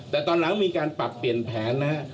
แต่ตอนหลังมีการปรับเปลี่ยนแผนนะฮะ